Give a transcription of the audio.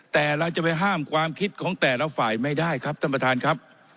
แต่เราจะไปห้ามความคิดของแต่ละฝ่ายไม่ได้ครับท่านประธานครับ